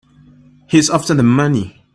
He's after the money.